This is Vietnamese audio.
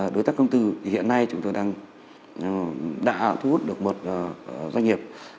đối tác công tư hiện nay chúng tôi đã thu hút được một doanh nghiệp